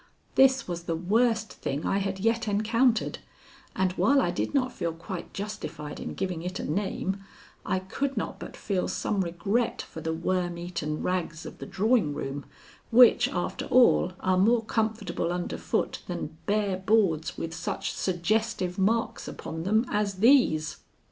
This was the worst thing I had yet encountered, and while I did not feel quite justified in giving it a name, I could not but feel some regret for the worm eaten rags of the drawing room, which, after all, are more comfortable underfoot than bare boards with such suggestive marks upon them as these.